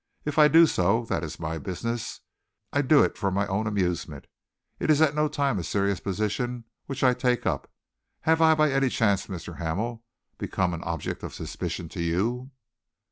If I do so, that is my business. I do it for my own amusement. It is at no time a serious position which I take up. Have I by any chance, Mr. Hamel, become an object of suspicion to you?"